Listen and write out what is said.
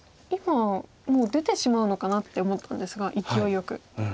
今もう出てしまうのかなって思ったんですが勢いよく。